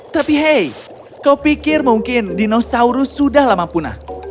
tapi hey kau pikir mungkin dinosaurus sudah lama punah